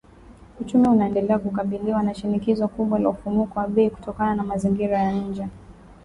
Uchumi unaendelea kukabiliwa na shinikizo kubwa la mfumuko wa bei kutokana na mazingira ya nje.